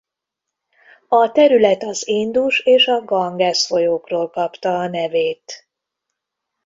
A terület az Indus és a Gangesz folyókról kapta a nevét.